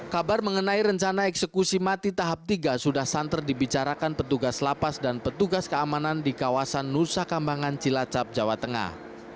kabar mengenai rencana eksekusi mati tahap tiga sudah santer dibicarakan petugas lapas dan petugas keamanan di kawasan nusa kambangan cilacap jawa tengah